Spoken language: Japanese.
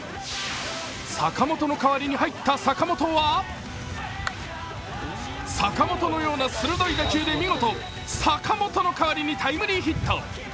坂本の代わりに入った坂本は、坂本のような鋭い打球で坂本の代わりにタイムリーヒット。